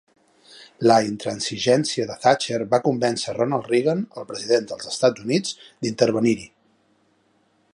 La intransigència de Thatcher va convèncer Ronald Reagan, el president dels Estats Units, d'intervenir-hi.